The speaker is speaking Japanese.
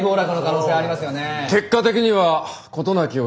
結果的には事なきをえたので。